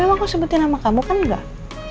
emang aku sebutin sama kamu kan enggak